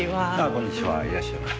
こんにちはいらっしゃいませ。